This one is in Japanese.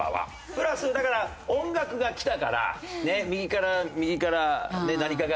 プラスだから音楽がきたから「右から右から何かが来てる」か。